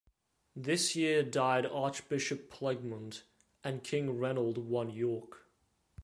This year died Archbishop Plegmund; and King Reynold won York.